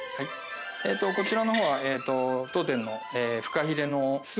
こちらの方は当店のフカヒレのスープですね。